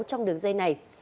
trong đường dịch vụ